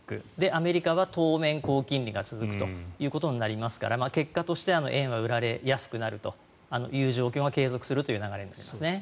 アメリカは当面、高金利が続くということになりますから結果として、円は売られやすくなるという状況が継続するという流れになりますね。